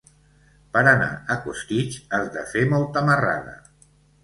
Per anar a Costitx has de fer molta marrada.